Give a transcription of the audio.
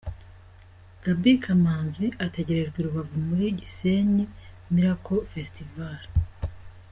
Gaby Kamanzi ategerejwe i Rubavu muri Gisenyi Miracle Festival.